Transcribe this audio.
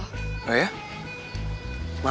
kita udah keluar loh